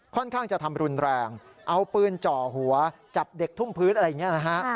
ค่อนข้างจะทำรุนแรงเอาปืนจ่อหัวจับเด็กทุ่มพื้นอะไรอย่างนี้นะฮะ